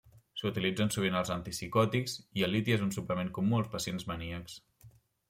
S'utilitzen sovint els antipsicòtics, i el liti és un suplement comú als pacients maníacs.